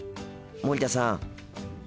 森田さん。